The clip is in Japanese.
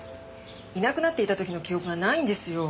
いなくなっていた時の記憶がないんですよ。